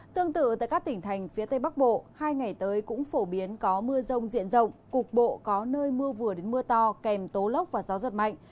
tương tự tại các tỉnh thành phía tây bắc bộ hai ngày tới cũng phổ biến có mưa rông diện rộng cục bộ có nơi mưa vừa đến mưa to kèm tố lốc và gió giật mạnh